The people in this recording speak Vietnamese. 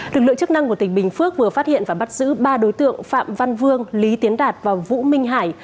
lực lượng chức năng của tỉnh bình phước vừa phát hiện và bắt giữ ba đối tượng phạm văn vương lý tiến đạt và vũ minh hải